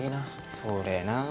それな。